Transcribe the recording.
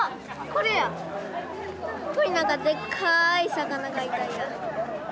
ここになんかでっかい魚描いたんや。